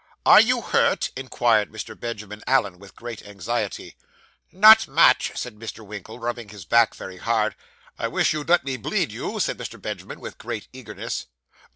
'Are you hurt?' inquired Mr. Benjamin Allen, with great anxiety. 'Not much,' said Mr. Winkle, rubbing his back very hard. 'I wish you'd let me bleed you,' said Mr. Benjamin, with great eagerness.